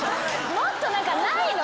もっと何かないの？